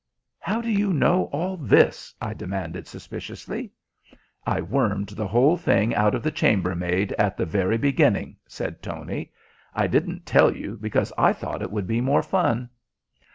"How do you know all this?" I demanded suspiciously. "I wormed the whole thing out of the chambermaid at the very beginning," said Tony. "I didn't tell you because I thought it would be more fun."